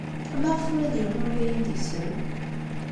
Maɣef ula d yiwen ur la iyi-d-isell?